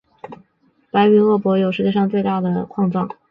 白云鄂博有世界上最大稀土矿藏。